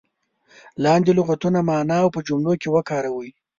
لاندې لغتونه معنا او په جملو کې وکاروئ.